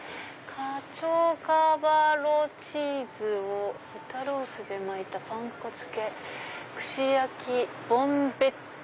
「カチョカヴァッロチーズを豚ロースで巻いたパン粉付け串焼きボンベッテ」。